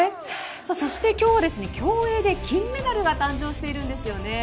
そして、今日競泳で金メダルが誕生しているんですよね。